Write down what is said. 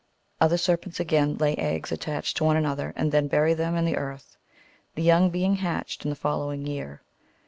Other serpents, again, lay eggs attached to one another, and then bury them in the earth ; the young being hatched in the following year.